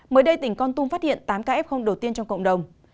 mới đây tỉnh con tum phát hiện tám kf đầu tiên trong cộng đồng